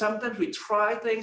minggu setelah minggu